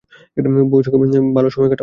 বৌয়ের সঙ্গে ভালো সময় কাটাও।